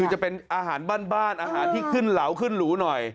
จะเป็นอาหารบ้านอาหารที่ขึ้นเหลาขึ้นหรูหน่อย